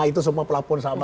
itu semua pelabur sama